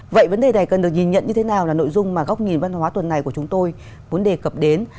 vậy vấn đề này cần được nhìn nhận như thế nào là nội dung mà góc nhìn văn hóa tuần này của chúng tôi muốn đề cập đến